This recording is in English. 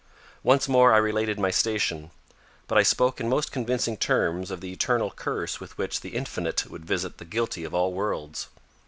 Once more I related my station. But I spoke in most convincing terms of the eternal curse with which the Infinite would visit the guilty of all worlds.